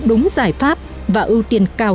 đúng giải pháp và ưu tiên cao